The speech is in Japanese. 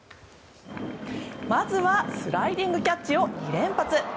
まずはスライディングキャッチを２連発。